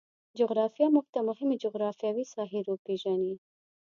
جغرافیه موږ ته مهمې جغرفیاوې ساحې روپیژني